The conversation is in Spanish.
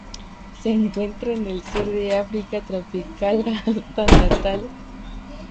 Se encuentra en el sur de África tropical hasta Natal.